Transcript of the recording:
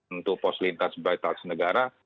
untuk pos lintas berita senegara